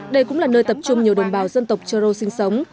đây cũng là nơi tập trung nhiều đồng bào dân tộc châu rô sinh sống